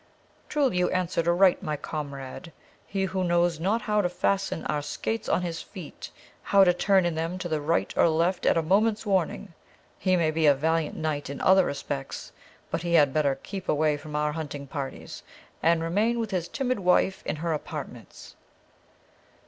"Truly thou answerest aright, my comrade. He who knows not how to fasten our skates on his feet, how to turn in them to the right or left at a moment's warning, he may be a valiant knight in other respects, but he had better keep away from our hunting parties, and remain with his timid wife in her apartments."